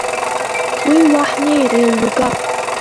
Уи уа ҳнеир еилурга!